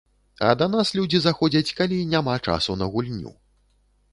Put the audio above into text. А да нас людзі заходзяць, калі няма часу на гульню.